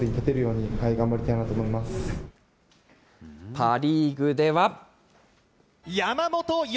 パ・リーグでは。